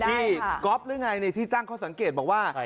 ก๊อฟหรือไงที่ตั้งข้อสังเกตบอกว่า